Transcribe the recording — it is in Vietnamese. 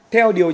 theo điều tra